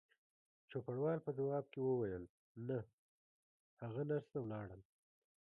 چوپړوال په ځواب کې وویل: نه، هغه نرسه ولاړل.